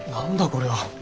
これは。